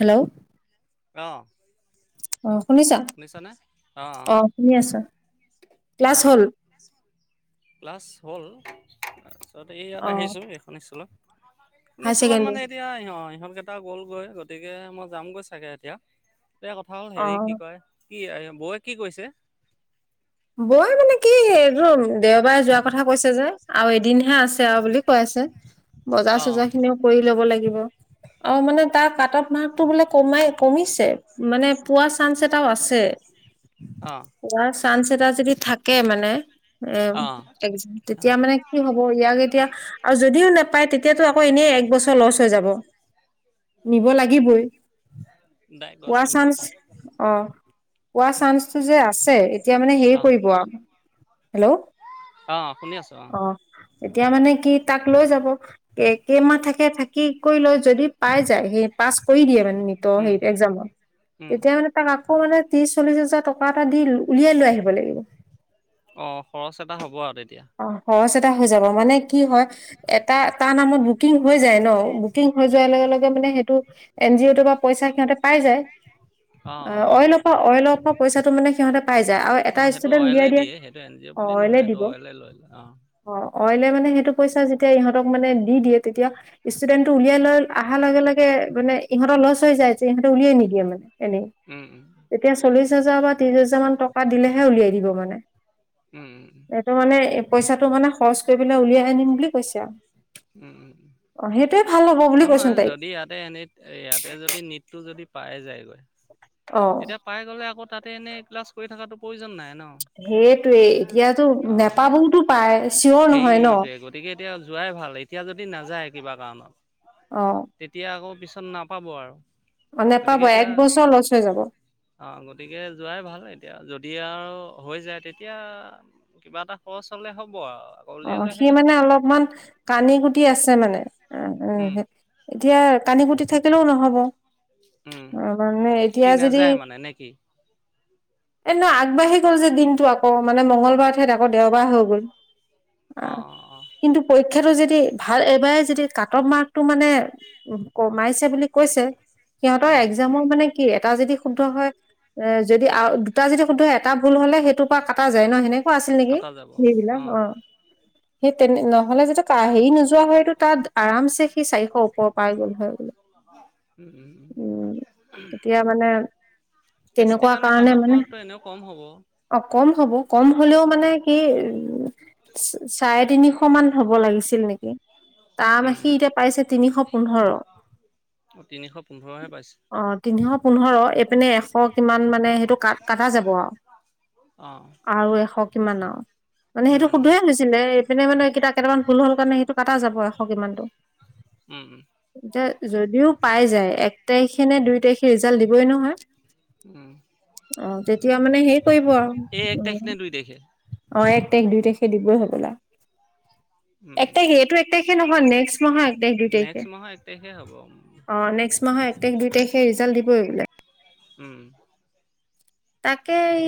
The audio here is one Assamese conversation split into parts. হেল্ল' অ অ শুনিছা? অ শুনি আছা। ক্লাছ অঁ হ'ল? ক্লাছ হ'ল। তাৰপিছত এই অ ইয়াত আহিছোঁ এইখন স্কুলত। হাই মানে ছেকেণ্ডেৰী। এতিয়া ইহ ইহঁতকেইটা গ'লগৈ গতিকে মই যামগৈ চাগে এতিয়া। এয়া কথা হ'ল অ হেৰি কি কয়, কি বৌৱে কি কৈছে? বই মানে কি দেও বাৰে যোৱা কথা কৈছে যে আৰু এদিনহে আছে আৰু বুলি কৈ আছে। বজাৰ অঁ চজাৰ খিনিও কৰি ল'ব লাগিব। অ মানে তাৰ কাট অফ মাৰ্কতটো বোলে কমাই কমিছে। মানে পোৱা চান্স এটাও আছে। আহঁ পোৱাৰ চান্স এটা যদি থাকে মানে এ অঁ এক অঁ তেতিয়া মানে কি হ'ব, ইয়াক এতিয়া আৰু যদিও নাপায় তেতিয়াতো আকৌ এনেই এক বছৰ লছ হৈ যাব। নিব লাগিবই, দাই গছ পোৱা আনো চান্স, অ। পোৱা চান্সটো যে আছে এতিয়া মানে হে অঁ কৰিব আৰু। হেল্ল'। অঁ শুনি আছোঁ অঁ অ এতিয়া মানে তাক লৈ যাব। কেইমাহ থাকে থাকি কৰি লৈ যদি পাই যায় সেই পাছ কৰি দিয়ে মানে নীতিৰ উম সেই একজামত। উম তেতিয়া মানে তাক আকৌ মানে ত্ৰিশ- চল্লিছ হাজাৰ টকাএটা দি উলিয়াই লৈ আহিব লাগিব। অঁ খৰচ এটা হ'ব আৰু তেতিয়া অ স মানে কি হয়, এটা এটা নামত বুকিং হৈ যায় ন, বুকিং হৈ যোৱা লগে লগে সেইটো এন জি অ' তটো পৰা পইচা সিহতে পাই যায়। অঁ অ অঁ অইলৰ অইল অপ পইচাটো মানে সিহঁতে পাই যায় আৰু অ এটা সেইটো ষ্টুডেন্ট অইলে উলিয়াই দিয়ে। সেইটো এন জি অ বুলি অইলে নহয়। সেইটো দিব অইলে লয়। অ অ', অইলে মানে সেইটো পইচা যেতিয়া ইহঁতক মানে দি দিয়ে। তেতিয়া ষ্টুডেন্টটো উলিয়াই লৈ অহাৰ লগে লগে মানে ইহঁৰ লচ হৈ যাইছে ইহতে উলিয়াই নিদিয়ে মানে। এনেই, উম উম তেতিয়া চল্লিশ হাজাৰ বা ত্ৰিশ হাজাৰ মান টকা দিলেহে উলিয়াই দিব মানে, উম এইটো মানে এই পইচাটো মানে খৰচ কৰি পেলাই উলিয়াই আনিম বুলি কৈছে আৰু। উম উম। অ', সেইটোৱে ভাল হ'ব বুলি কৈচোন নহয়, তাইক। যদি ইয়াতে এনে, ইয়াতে যদি নিটটো যদি পাই যায়গৈ, অ', তেতিয়া পাই গ'লে আকৌ তাতে এনেই ক্লাছ কৰি থকাটো প্ৰয়োজন নাই। ন, সেইটোৱে এতিয়াতো অ', নেপাবওতো পায় চিয়ৰ নহয় ন। সেইটোৱেই, গতিকে এতিয়া যোৱাই ভাল এই তেতিয়া যদি নাযায় কিবা কাৰণত। অ', তেতিয়া আকৌ পিছত নাপাব আৰু। অ নোপাব। এক বছৰ লছ হৈ যাব। অ গতিকে যোৱাই ভাল এতিয়া যদি আৰু হৈ যায়। তেতিয়া কিবা এটা খৰচ হলে হ'ব আৰু। আকৌ অ উলিয়াই লৈ সি আহিলে হ'ল মানে অলপমান কানি কুটি আছে মানে। উ। উম এতিয়া কানি কুটি থাকিলেও নহ'ব। অ উম মানে সি এতিয়া যদি নাযায় মানে নে কি এ নহ, আগবাঢ়ি গ'ল যে দিনটো আকৌ, মানে মংগলবাৰৰ ঠাইত আকৌ দেওবাৰ হৈ গ'ল। অ' আহ অ' অ'। কিন্তু পৰীক্ষাটো যদি ভাল এইবাৰ যদি কাট অফ মাৰ্কটো মানে, কমাইছে বুলি কৈছে সিহঁতৰ অঁ এগজামৰ মানে কি, এটা যদি শুদ্ধ হয়, এ যদি দুটা যদি শুদ্ধ হয়, এটা ভুল হ'লে সেইটোৰ পৰা কটা যায় ন, সেনেকুৱা আছিল নেকি, কটা যাব সেইবিলাক অ'। সেই তেনে-নহ'লে যেতিয়া কা হেৰী নোযোৱা যোৱা হয়তো তাত আৰামছে সি চাৰিশ ওপৰ পাই গ'ল হয় বোলে। অঁ উম, এতিয়া মানে এছ টিৰ তেনেকুৱা কাৰণে কাট অফ মানে মাৰ্কটো এনেও কম হ'ব অ', কম হ'ব, কম হ'লেও মানে কি, উম চাৰে তিনিশ মান হ'ব লাগিছিল নেকি, তাৰ মানে সি উম এতিয়া পাইছে তিনিশ পোন্ধৰ তিনিশ পোন্ধৰহে পাই অ', তিনিশ পোন্ধৰ, এইপিনে এশ কিমান মানে সেইটো কাট-কটা যাব আৰু। অ আৰু এশ কিমান আৰু, মানে উম সেইটো উম শুদ্ধয়ে হৈছিলে, এইপিনে মানে এইকেইটা কেইটামান ভুল হ'ল কাৰণে সেইটো কটা যাব এশ কিমানতো, উম উম এতিয়া যদিও পাই যায় এক তাৰিখে নে দুই তাৰিখে ৰিজাল্ট দিবই নহয়। উম। অ', তেতিয়া মানে হেৰি কৰিব আৰু, এই এক তাৰিখ উম নে দুই তাৰিখে অ', এক তাৰিখ, দুই তাৰিখে দিবই হ'বলা। এক উম, তাৰিখে এইটো এক তাৰিখে নহয় নেক্সট মাহৰ এক তাৰিখ দুই তাৰিখে নেক্সট মাহৰ এক তাৰিখে হ'ব। অ নেক্সট মাহৰ এক তাৰিখ দুই তাৰিখে ৰিজাল্ট দিবই বোলে। উম। তাকে, এই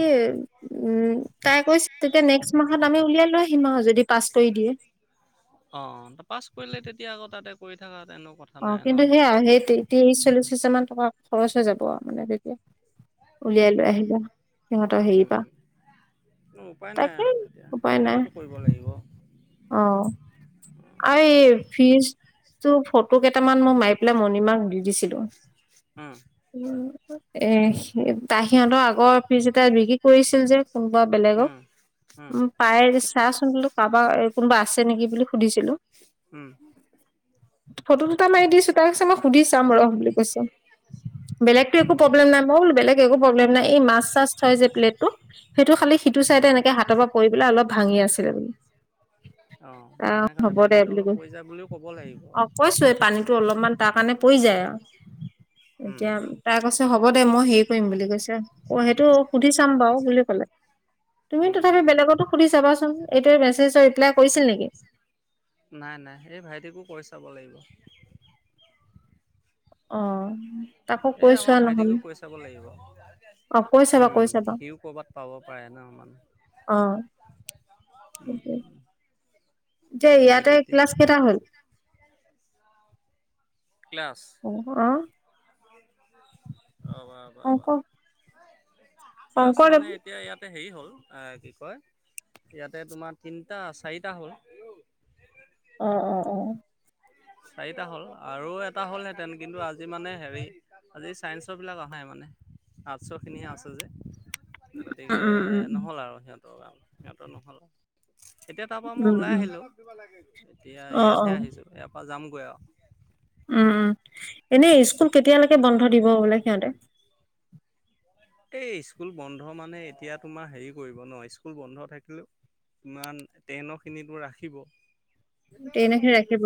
উম তাই কৈছে তেতিয়া নেক্সট মাহত আমি উলিয়াই লৈ আহিম আৰু যদি পাছ কৰি দিয়ে। অ' অ', পাছ কৰিলে তেতিয়া আকৌ তাতে কৰি থাকাত অ', কিন্তু সেয়াই আৰু, সেই ত্ৰিছ চল্লিশ হাজাৰ মান টকা খৰচ হৈ যাব আৰু মানে তেতিয়া। উম উলিয়াই লৈ উম আহিলে সিহঁতৰ হেৰিৰ পৰা। কোনো উপায় নাই তাকে আৰু এতিয়া, উপায় নাই সেইটোকেতো কৰিব লাগিব। অ'। আৰু তেনেকে এই ফিজটো ফটো কেইটামান মই মাৰি পেলাই মণিমাক দি দিছিলো। উম উম। এ তাৰ সিহঁতৰ আগৰ ফ্ৰিজ এটা বিক্ৰী কৰিছিল যে কোনোবা বেলেগক, উম উম, পাই চাচোন বোলো কাৰোবাৰ কোনোবা আছে নেকি বুলি সুধিছিলোঁ। উম। ফটো দুটা মাৰি দিছো, তাই কৈছে মই সুধি চাম ৰহ বুলি কৈছে। বেলেগতো উম একো উম প্ৰব্লেম নাই, মই বুলো বেলেগ একো প্ৰব্লেম নাই, এই মাছ চাছ থয় যে প্লেটটো সেইটো খালি সিটো উম চাইড এনেকে হাতৰ পৰা পৰি পেলাই অলপ ভাঙি আছিলে বোলো। অঁ ভাঙে কাৰণে হ'ব দে পানীটো বুলি অলপ কৈছো পৰি যায় বুলিও ক'ব লাগিব অ' আৰু কৈছো এই পানীতটো অলপমান তাৰ কাৰণে পৰি যায় আৰু। এতিয়া উম। তাই কৈছে হ'ব দে মই হেৰি কৰিম বুলি কৈছে অ' সেইটো সুধি চাম বাৰু বুলি ক'লে। [inaudible] তুমি উম উম তথাপি উম বেলেগতো সুধি চাবাচোন, এইটোৱে মেছেজৰ ৰিপ্লাই কৰিছিল নেকি? নাই নাই, এই ভাইটিকো কৈ চাব লাগিব। অ তাকো এ কৈ আমাৰ চোৱা ভাইটিকো নহ'লে কৈ চাব লাগিব। অ কৈ চাবা কৈ উম, চাবা সিও কৰ'বাত পাব পাৰে ন অ মানে। যে গতিকে ইয়াতে তেতিয়া ক্লাছ কেইটা হ'ল? অ', আ অবাবব শংকৰ ক্লাছ শংকৰদেৱ মানে এতিয়া ইয়াত হেৰি হ'ল এ কি কয় ইয়াতে তোমাৰ তিনটা চাৰিটা হ'ল। অ অ অ চাৰিটা হ'ল আৰু এটা হ'লহেঁতেন কিন্তু আজি মানে হেৰি আজি ছায়েন্সৰবিলাক আহা নাই মানে আৰ্টছৰখিনিয়ে আছে যে। উম গতিকে উম নহ'ল আৰু সিহঁতৰ কাৰণ সিহঁতৰ নহ'ল। এতিয়া তাৰ পৰা মই উম উম ওলাই উম আহিলো এতিয়া অ অ ইয়াতহে আহিছো। যামগৈ আৰু। উম, উম এনেই স্কুল কেতিয়ালৈকে বন্ধ দিব বোলে সিহঁতে? এই স্কুল বন্ধ মানে এতিয়া তোমাৰ হেৰি কৰিব ন স্কুল বন্ধ থাকিলেও ইমান টেইনৰখিনিতো ৰাখিব। তেনেকে ৰাখিব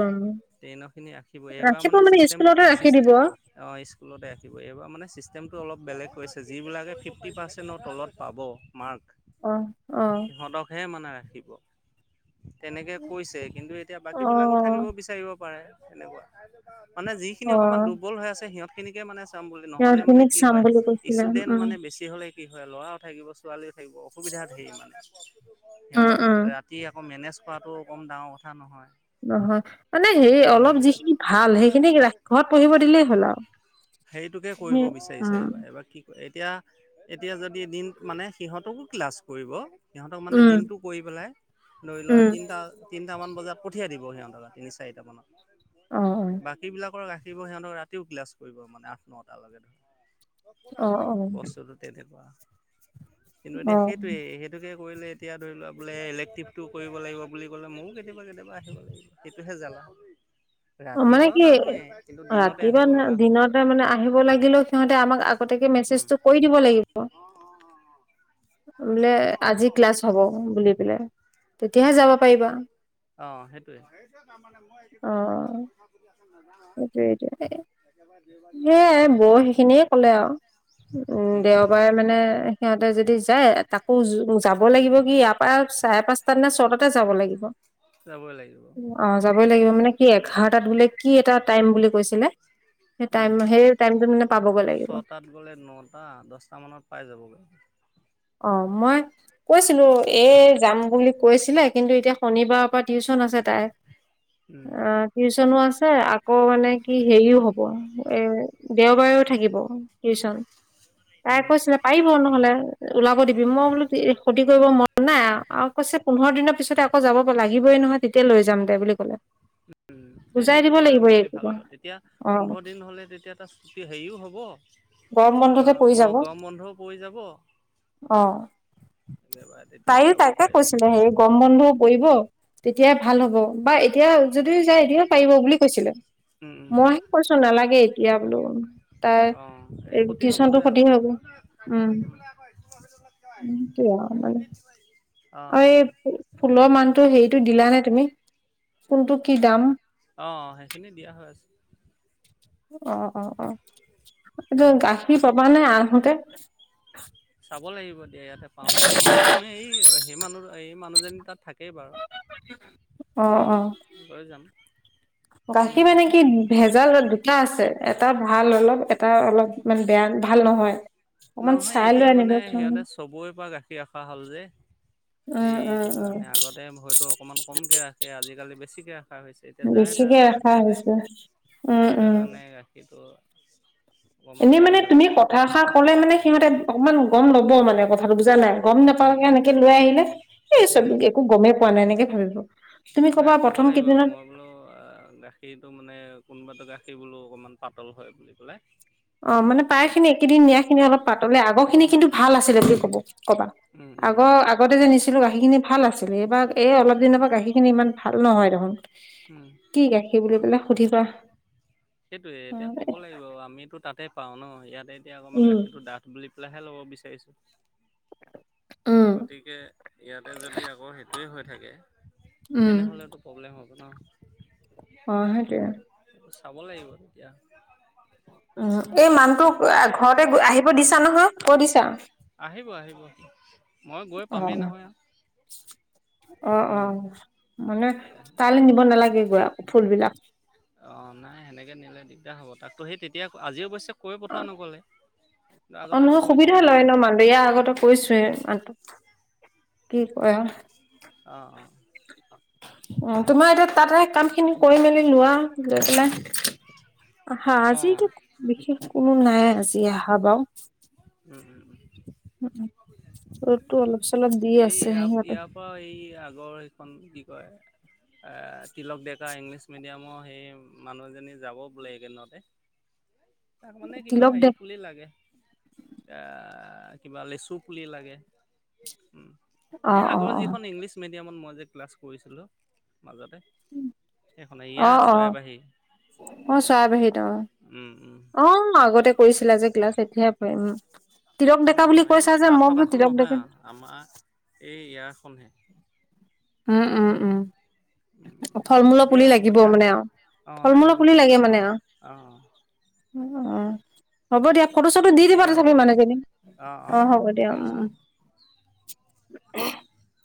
ট্ৰেইনৰখিনি ৰাখিব এইবাৰ মানে চিষ্টেম স্কুলতে ৰাখি চিষ্ট দিব অ' স্কুলতে ৰাখিব। এইবাৰ মানে চিষ্টেমটো অলপ বেলেগ হৈছে আৰু। যিবিলাকে ফিফটি পাৰ্চেণ্টৰ তলত পাব মাৰ্ক অ অ সিহঁতকহে মানে ৰাখে। খিব তেনেকৈ কৈছে। কিন্তু এতিয়া অ বাকীবিলাকো থাকিব বিচাৰিব পাৰে। হেনেকুৱা মানে যিখিনি অ অকমান দুৰ্বল হৈ আছে সিহঁতখিনিকে মানে বুলি নহ'লে মানে সিহঁতখিনিক কি চাম হয় বুলি কৈছিলে ষ্টুডেন্ট উম মানে বেছি কি হয় ল'ৰাও থাকিব ছোৱালীও থাকিব অসুবিধা ধে মানে। উম সিহঁতক উম ৰাতি আকৌ মেনেজ কৰাটো কম ডাঙৰ কথা নহয়। নহয় মানে সেই অলপ উম, যিখিনি ভাল সেইখিনি ৰাখ ঘৰত পঢ়িব দিলেই হ'ল আৰু। সেইটোকে কৰিব বিচাৰিছে এইবাৰ। এইবাৰ কি এতিয়া এতিয়া যদি এদিন মানে সিহঁতকো ক্লাছ কৰিব। সিহঁতক মানে উম দিনটো কৰি পেলাই ধৰি লোৱা উম তিনিটা তিনিটামান বজাত পঠিয়াই দিব সিহঁতক। চাৰিটা মানত অ বাকী বিলাকৰ থাকিব সিহঁতৰক ৰাতিও ক্লাছ কৰিব মানে আঠ নটা লৈকে অ অ ধৰ। বস্তুতটো তেনেকুৱা। কিন্তু অ অ এতিয়া সেইটোোৱে সেইটোকে কৰিলে এতিয়া ধৰি লও বোলে ইলেক্টিভটো কৰিব লাগিব বুলি ক'লে ময়ো কেতিয়াবা কেতিয়াবা আহিব লাগিব। হেতুহে জালা। অ মানে ৰাতিপুৱাও কি নাহোৱে। দিনতে ৰাতিপুৱা আহিব ন লগা হ'ব পাৰে দিনতে মানে আহিব লাগিলেও সিহঁতে আমাক আগতিয়াকে মেছেজটো কৰি দিব লাগিব। অ', অ', অ', অ'। বোলে আজি ক্লাছ হ'ব বুলি পেলে। অ', সেইটোৱে। সেইটোৱেটো। দেওবাৰ দিনাখন আৰু [unintelligible] উম, দেওবাৰে মানে সিহঁতে যদি যায় তাকো যাব লাগিব কি ইয়াৰ পৰা চাৰে পাঁচটাত নে ছয়তাতে যাব লাগিব, যাবই লাগিব অ যাবই মানে কি এঘাৰটাত বোলে কি এটা টাইম বুলি কৈছিলে সে টাইম উম সেই টাইমটোত মানে পাবগৈ লাগিব ছটাত গ'লে নটা দহটা মানত পাই যাবগৈ। অ মই কৈছিলো এই যাম বুলি কৈছিলে কিন্তু এতিয়া শনিবাৰৰ পৰা টিউচন আছে তাই। উম অ টিউচনো আছে আকৌ মানে কি হেৰিও হব এ দেওবাৰে টো থাকিব টিউচন, তাই উম কৈছিলে পাৰিব নহ'লে ওলাব দিবি মই বোলো ক্ষতি কৰিব মন নাই আৰু কৈছে পোন্ধৰ দিনৰ পিছতে আকৌ যাব লাগিবই নহয়। তেতিয়া লৈ যাম দে বুলি ক'লে। উম, বুজাই সেইটো দিব কৰাই লাগিব এই বেছি ভাল হ'ব তেতিয়া অ পোন্ধৰ দিন হ'লে তেতিয়া এটা সুতি হেৰিও গৰম বন্ধতে পৰি যাব হ'ব। গৰম বন্ধ পৰি যাব। একেবাৰে তেতিয়া তাইো যাব তাকে পাৰিব। কৈছিলে সেই গম বন্ধুও পৰিব। তেতিয়া ভাল হ'ব বা এতিয়া যদিও যায় এতিয়াও পাৰিব বুলি কৈছিলে। উম উম মইহে কৈছো নালাগে এতিয়া বোলো তাই অঁ এই ক্ষতি হব টিউচনটো যে আক ক্ষতি হ'ব উম [unintelligible] অ এই ফু ফুলৰ মানুহটো হেৰিটো দিলা নে তুমি? চোনটো কি দাম অঁ সেইখিনি দিয়া হৈ আছে। অ অ অ। এইটো উম গাখীৰ পাবা নে আহোঁতে? শু'ব লাগিব দিয়া ইয়াতে পাওঁ নে নাপাওঁ পাম এ সেই মানৰো এই যেন মানুহ তাত থাক কেইবাৰত অ অ ওম লৈ যাম। গাখীৰ উম মানে কি ভেজাল দুটা আছে। এট টা ভাল অলপ এটা অলপ মানে বেয়া ভাল নহয়। অকমান নহয় চাই লৈ এতিয়া মানে আনিবাচোন সিহঁতে চবৰে পা গাখীৰ এখা এখা ল'ল যে উম উম সেইটো উম কাৰণে আগতে হয়তো অকনমান কমকে ৰাখে আজিকালি বেছিকে ৰাখ খা হৈছে। এতিয়া যাই বেছিকে তাৰ পৰা ৰখা ৰাখে যে হৈছে উম সেইটো উম কাৰণে গাখীৰটো অকণমান এনেই হেৰি মানে হৈ তুমি আছে কথা এষাৰ কলে মানে সিহঁতে অকমান গম ল'ব মানে কথাটো বুজা নাই। গম নেপাওঁ উম এনেকে লৈ আহিলে এই চব উম একো গমেই পোৱা নাই এনেকে ভাবিব। তুমি নাই ক'বা ক'ব প্ৰথম লাগিব কেইদিনত মই বোলো অ গাখীৰটো মানে কোনোবাটো গা সেইবোলো অকমান পাতল হয় বুলি ক'লে। অ মানে পাইখিনি একেদিন নিয়াখিনি অলপ পাতলে আগৰখিনি কিন্তু ভাল আছিলে বুলি কব কবা। উম উম আগৰ আগতে যে নিছিলো গাখীৰখিনি ভাল আছিল। এইবাৰ এই অলপ দিনৰ পৰা গাখীৰখিনি ইমান ভাল নহয় দেখোন। উম। কি গাখীৰ বুলি পেলাই সুধিবা। সেইটোৱে এতিয়া ক'ব লাগিব আমিতো তাতে পাও ন ইয়াতে এতিয়া অকমান উম গাখীৰটো ডাঠ বুলি লাহে লব বিচাৰিছো। উম গতিকে ইয়াতে যদি আকৌ সেইটোয়ে হৈ থাকে উম এনে হ'লেতো প্ৰব্লেম হ'ব ন। অঁ সেইটোৱে। চাব লাগিব তেতিয়া। উম এই মানুহটো ঘৰতে আহিব দিছা নহয়, কৈ দিছা? আহিব। মই গৈ পামেই অঁহ। নহয় আৰু। অঁ উম। অঁ মানে তালৈ নিব নালাগে দিয়া ফুলবিলাক। অঁ নাই সেনেকে নিলে দিগদাৰ হ'ব, তাকো সেই তেতিয়া আজি অৱশ্যে কৈ পঠোৱা নগ'লে। অ' আগতেতো নহয় সুবিধা কৈছোঁৱে লয় অঁ ন মানুহে, ইয়াৰ আগতেই কৈছোৱেই মানুহটোক। কি কৰা? অঁ। তোমাৰ এতিয়া তাতে কামখিনি কৰি মেলি লোৱা লৈ পেলাই। হা অ', আজিটো বিশেষ কোনো নাই আজি আহা বাৰু। উম উম উম। ৰ'দটো অলপ চলপ দি এই আছে ইয়াৰ সিহঁতে, ইয়াৰ পৰা, এই আগৰ সেইখন কি কয়? এ, তিলক ডেকা ইংলিছ মিডিয়ামৰ সেই মানুহজনী যাব বোলে এইকেইদিনতে। তাক মানে কিবা তিলক দে হেৰি পুলি লাগে। এ কিবা লিচু পুলি লাগে। এই অ', আগৰ অ', অ', যিখন ইংলিছ মিডি তেতিয়া [unintelligible] মই যে ক্লাছ কৰিছিলোঁ। মাজতে, সেইখনে ইয়াত চয়াবাঁহী। চয়াবাঁহীত অ, অঁ আগতে কৰিছিলা যে ক্লাছ। এতিয়াহে [unintelligible] অ' এই তাত থকাখন নহয় ডেকা আও। আমাৰ এই ইয়াৰখনহে। উম, উম, উম, ফল-মূলৰ দিয়া পুলি হ'ব লাগিব দিয়া মানে আৰু। অ', ফল মূলৰ লাগিব পুলি কিবা লাগে অ, মানে আৰু অ, অ, [unintelligible] হ'ব দিয়া ফটো-চটো দি দিবা দিয়া হ'ব তথাপিও দিয়া। মানুহজনী, অঁ অঁ অ', অঁ হ'ব দিয়া ঠিক উম, আছে উম, [unintelligible]